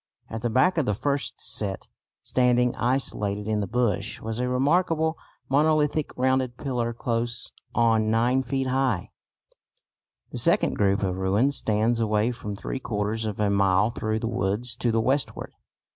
At the back of the first set, standing isolated in the bush, was a remarkable monolithic rounded pillar close on 9 feet high. [Illustration: SECOND GROUP: COZUMEL RUINS.] The second group of ruins stands away some three quarters of a mile through the woods to the westward.